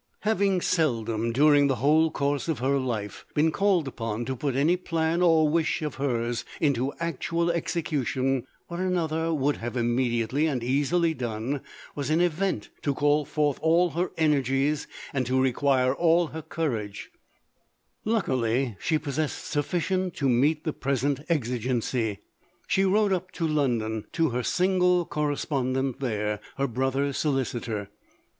Having sel dom, during the whole course of her life, been called upon to put any plan or wish of her's into actual execution, what another would have immediately and easily done, was an event to call forth all her energies, and to require all her courage ; luckily she possessed sufficient to meet the present exigency. She wrote up to London to her single correspondent there, her brother's solicitor.